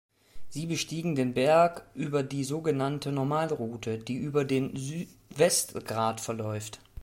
Sie bestiegen den Berg über die sogenannte Normalroute, die über den Südwestgrat verläuft.